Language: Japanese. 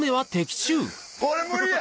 これ無理や！